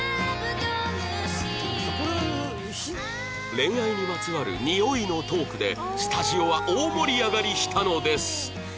恋愛にまつわる「におい」のトークでスタジオは大盛り上がりしたのです